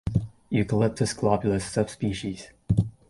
Eucalyptus globulus subsp.